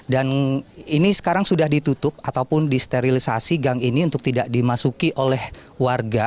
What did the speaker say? dan ini sekarang sudah ditutup ataupun disterilisasi gang ini untuk tidak dimasuki oleh warga